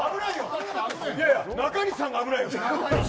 中西さんが危ないよ。